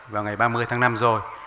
vào ngày ba mươi tháng năm rồi